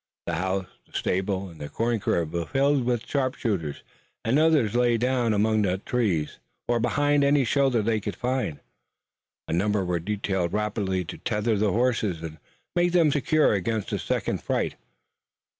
The house, the stable and the corn crib were filled with sharpshooters and others lay down among the trees or behind any shelter they could find. A number were detailed rapidly to tether the horses, and make them secure against a second fright.